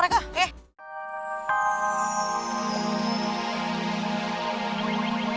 sampai jumpa lagi